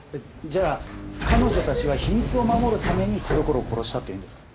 じゃあ彼女たちは秘密を守るために田所を殺したっていうんですか？